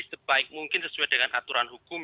sebaik mungkin sesuai dengan aturan hukum